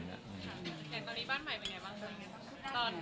แต่ตอนนี้บ้านใหม่เป็นไงบ้างตอน